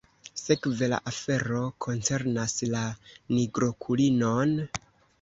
Sekve la afero koncernas la nigrokulinon?